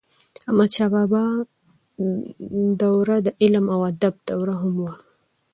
احمدشاه بابا دوره د علم او ادب دوره هم وه.